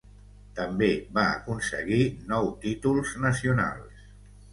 També va aconseguir nou títols nacionals.